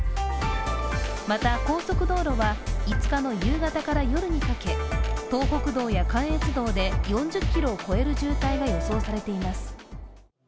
また、高速道路は５日の夕方から夜にかけ、東北道や関越道で４０ｋｍを超える渋滞が予想されています。